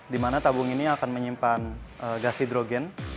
di mana tabung ini akan menyimpan gas hidrogen